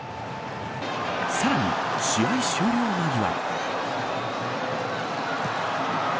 さらに試合終了間際。